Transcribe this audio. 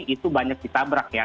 itu banyak ditabrak ya